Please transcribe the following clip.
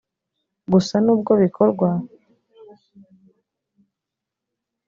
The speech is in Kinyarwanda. Gusa nubwo bikorwa